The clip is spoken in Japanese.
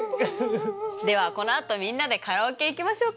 ではこのあとみんなでカラオケ行きましょうか。